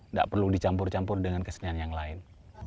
nggak perlu dicampur campur dengan kesenian yang lain